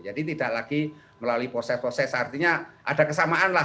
jadi tidak lagi melalui proses proses artinya ada kesamaan lah